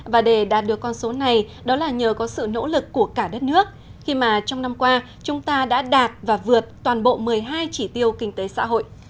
và để đạt được con số này đó là nhờ có sự nỗ lực của cả đất nước khi mà trong năm qua chúng ta đã đạt và vượt toàn bộ một mươi hai chỉ tiêu kinh tế xã hội